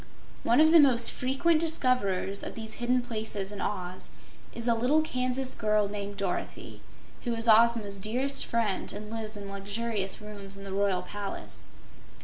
One of the most frequent discoverers of these hidden places in Oz is a little Kansas girl named Dorothy, who is Ozma's dearest friend and lives in luxurious rooms in the Royal Palace.